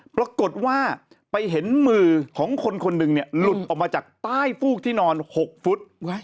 ปรากฏว่าไปเห็นมือของคนคนหนึ่งหลุดออกมาจากใต้ฟูกที่นอน๖ฟุต